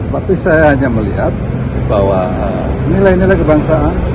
tapi saya hanya melihat bahwa nilai nilai kebangsaan